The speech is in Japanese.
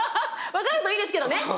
分かるといいですけどね。